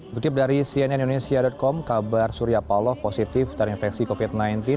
kutip dari cnn indonesia com kabar surya paloh positif terinfeksi covid sembilan belas